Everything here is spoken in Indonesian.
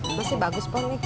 masih bagus pomi